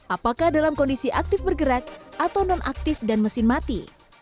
apakah dalam kondisi aktif bergerak atau non aktif dan mesin mati